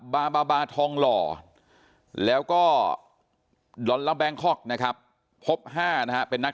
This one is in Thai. บาล์บาบาาทองหล่อแล้วก็ดอลลาร์แบงค็อคนะครับพบ๕นะเป็นนัก